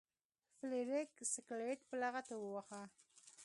فلیریک سکلیټ په لغته وواهه.